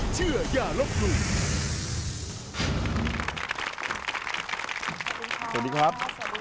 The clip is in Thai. สวัสดีครับ